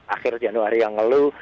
akhir januari yang lalu